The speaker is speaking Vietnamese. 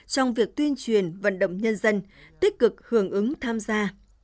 trong việc tuyên truyền vận động nhân dân tích cực hưởng ứng tham gia